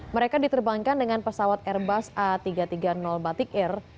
mereka diterbangkan dengan pesawat airbus a tiga ratus tiga puluh batik air